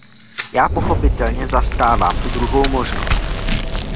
Já pochopitelně zastávám tu druhou možnost.